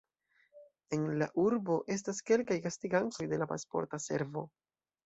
En la urbo estas kelkaj gastigantoj de la Pasporta Servo.